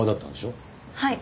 はい。